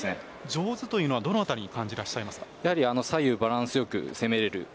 上手というのはどのあたりに左右バランスよく攻めれる。